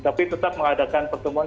tapi tetap mengadakan pertemuan